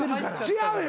違う。